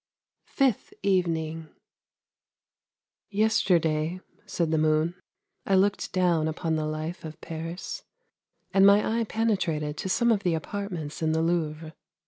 FIFTH EVENING :' Yesterday," said the moon, " I looked down upon the life of Paris, and my eye penetrated to some of the apartments in the Louvre.